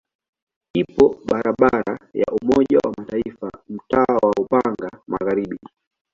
Ipo barabara ya Umoja wa Mataifa mtaa wa Upanga Magharibi.